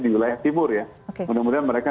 di wilayah timur ya kemudian mereka